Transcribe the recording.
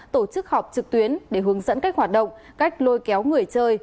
tổ chức họp trực tuyến để hướng dẫn cách hoạt động cách lôi kéo người chơi